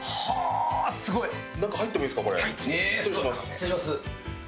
失礼します。